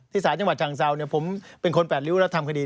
สารจังหวัดฉังเซาผมเป็นคนแปดริ้วแล้วทำคดี